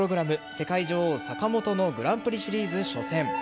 世界女王・坂本のグランプリシリーズ初戦。